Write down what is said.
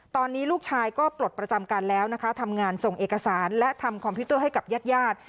ตอนนี้ลูกชายก็ปลดประจำการแล้วนะคะทำงานส่งเอกสารและทำคอมพิวเตอร์ให้กับญาติญาติ